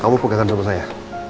kamu pakekan sama saya